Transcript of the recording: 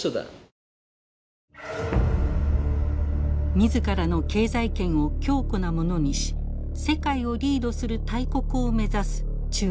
自らの経済圏を強固なものにし世界をリードする大国を目指す中国。